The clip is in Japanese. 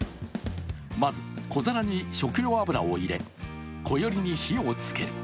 まず小皿に食用油を入れこよりに火をつける。